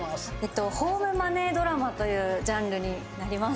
ホームマネードラマというジャンルになります。